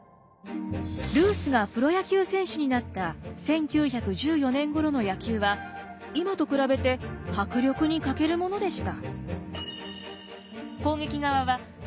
ルースがプロ野球選手になった１９１４年ごろの野球は今と比べて迫力に欠けるものでした。